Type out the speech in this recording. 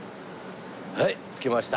はい着きました。